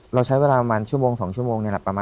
เราใช้เวลาประมาณชั่วโมง๒ชั่วโมง